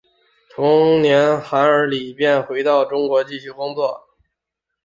同年韩尔礼便回到中国继续工作。